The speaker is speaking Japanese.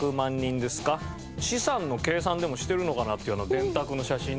資産の計算でもしてるのかなっていうあの。